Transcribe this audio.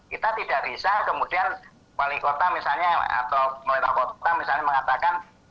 kita tidak bisa kemudian wali kota misalnya atau pemerintah kota misalnya mengatakan